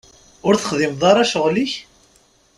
Ur texdimeḍ ara ccɣel-ik?